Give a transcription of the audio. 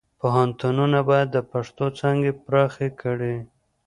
پوهنتونونه باید د پښتو څانګې پراخې کړي.